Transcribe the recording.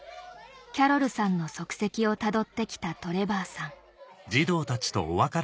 キャロルさんの足跡をたどってきたトレバーさん